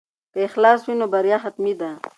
که اخلاص وي نو بریا حتمي ده.